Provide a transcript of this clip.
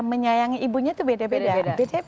menyayangi ibunya itu beda beda